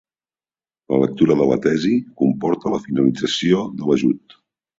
La lectura de la tesi comporta la finalització de l'ajut.